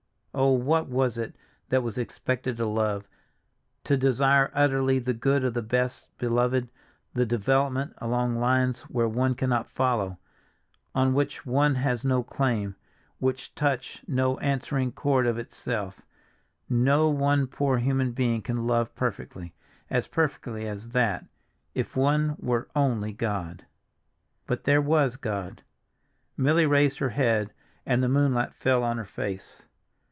Oh, what was it that was expected of love; to desire utterly the good of the best beloved, the development along lines where one cannot follow, on which one has no claim, which touch no answering chord of self—no one poor human being can love perfectly, as perfectly as that! If one were only God— But there was God. Milly raised her head, and the moonlight fell on her face.